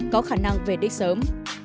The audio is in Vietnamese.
có khả năng về đích sớm